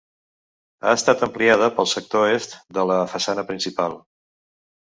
Ha estat ampliada pel sector est de la façana principal.